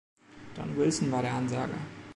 Don Wilson war der Ansager.